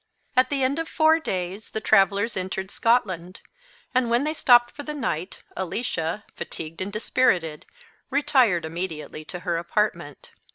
At the end of four days the travellers entered Scotland; and when they stopped for the night, Alicia, fatigued and dispirited, retired immediately to her apartment.